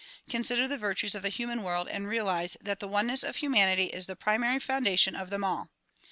Consider the virtues of the human world and realize that the oneness of humanity is the primary foundation of them all.